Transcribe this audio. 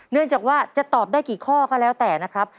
เนื่องจากว่าจะตอบได้กี่ข้อก็แล้วแต่นะครับ